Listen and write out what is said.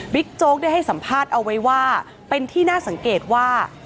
โจ๊กได้ให้สัมภาษณ์เอาไว้ว่าเป็นที่น่าสังเกตว่า